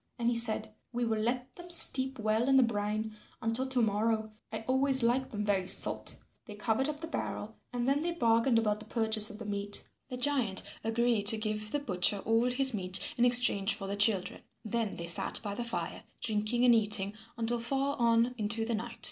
And he said, "We will let them steep well in the brine until to morrow. I always like them very salt." They covered up the barrel, and then they bargained about the purchase of the meat. The giant agreed to give the butcher all his meat in exchange for the children. Then they sat by the fire drinking and eating until far on into the night.